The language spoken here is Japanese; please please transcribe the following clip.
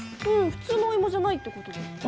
普通のおいもじゃないってことですね。